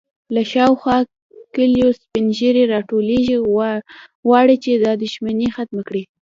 _له شاوخوا کليو سپين ږيرې راټولېږي، غواړي چې دا دښمنې ختمه کړي.